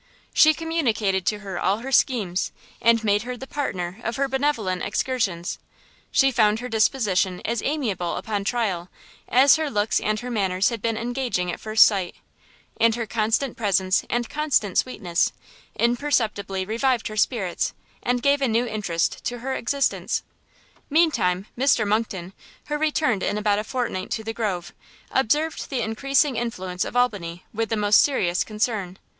She communicated to her all her schemes, and made her the partner of her benevolent excursions; she found her disposition as amiable upon trial, as her looks and her manners had been engaging at first sight; and her constant presence and constant sweetness, imperceptibly revived her spirits, and gave a new interest to her existence. Meantime Mr Monckton, who returned in about a fortnight to the Grove, observed the encreasing influence of Albany with the most serious concern.